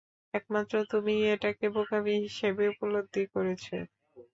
একমাত্র তুমিই এটাকে বোকামি হিসেবে উপলব্ধি করেছ।